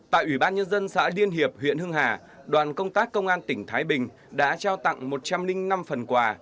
tại ủy ban nhân dân xã điên hiệp huyện hưng hà đoàn công tác công an tỉnh thái bình đã trao tặng một trăm linh năm phần quà